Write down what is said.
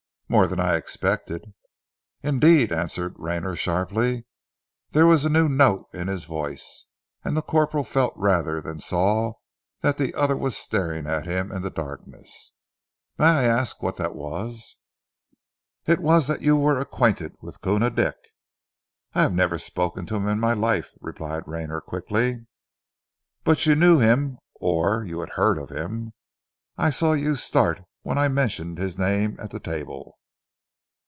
"More than I expected." "Indeed!" answered Rayner sharply. There was a new note in his voice, and the corporal felt rather than saw that the other was staring at him in the darkness. "May I ask what that was?" "It was that you were acquainted with Koona Dick." "I have never spoken to him in my life," replied Rayner quickly. "But you knew him or you had heard of him. I saw you start when I mentioned his name at table."